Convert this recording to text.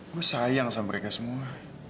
gue sayang sama mereka semua